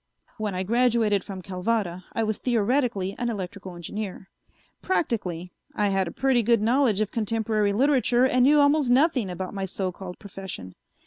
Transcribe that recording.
When I graduated from Calvada I was theoretically an electrical engineer. Practically I had a pretty good knowledge of contemporary literature and knew almost nothing about my so called profession.